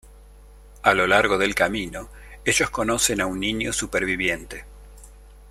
A lo largo del camino, ellos conocen a un niño superviviente.